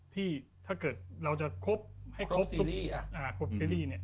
ที่ถ้าเกิดเราจะครบให้ครบซีรีส์